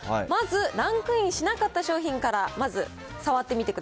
まずランクインしなかった商品から。